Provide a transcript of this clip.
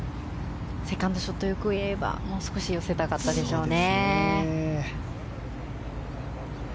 セカンドショット欲を言えばもう少し寄せたかったでしょうね。